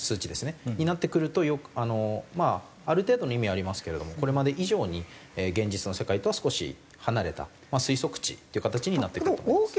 になってくるとまあある程度の意味はありますけれどもこれまで以上に現実の世界とは少し離れたまあ推測値っていう形になってくると思います。